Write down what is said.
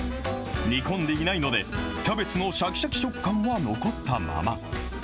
煮込んでいないので、キャベツのしゃきしゃき食感は残ったまま。